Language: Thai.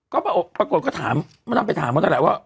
ก็ปรากฏก็ถามมันน้ำไปถามเขาแหละว่า